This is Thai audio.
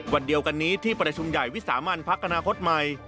วันเดียวกันนี้ที่ประชุมใหญ่วิสามันพักอนาคตใหม่